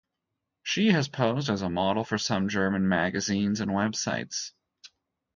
She has posed as a model for some German magazines and websites.